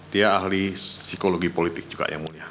dia ahli psikologi politik juga yang mulia